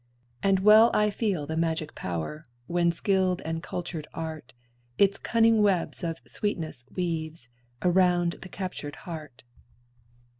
And well I feel the magic power, When skilled and cultured art Its cunning webs of sweetness weaves Around the captured heart.